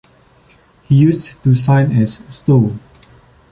He used to sign as "Sto".